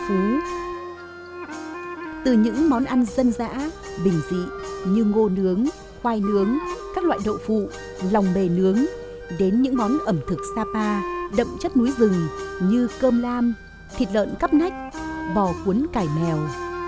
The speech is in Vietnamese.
từ những món ăn dân dã bình dị như ngô nướng khoai nướng các loại đậu phụ lòng bề nướng đến những món ẩm thực sapa đậm chất núi rừng như cơm lam thịt lợn cắp nách bò cuốn cải mèo